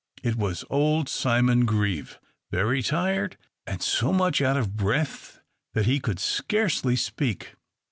It was old Simon Grieve, very tired, and so much out of breath that he could scarcely speak.